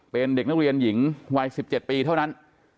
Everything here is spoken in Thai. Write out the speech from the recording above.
เป็นเด็กนักเรียนหญิงวัย๑๗ปีเท่านั้น